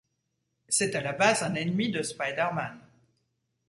C'est à la base un ennemi de Spider-Man.